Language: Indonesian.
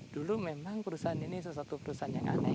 dulu memang perusahaan ini sesuatu perusahaan yang aneh